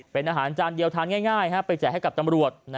เป็นอาหารจานเดียวทานง่ายไปแจกให้กับตำรวจ